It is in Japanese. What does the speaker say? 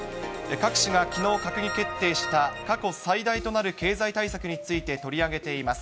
各紙がきのう、閣議決定した過去最大となる経済対策について取り上げています。